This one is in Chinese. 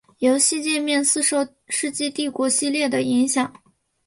游戏介面似受世纪帝国系列的影响。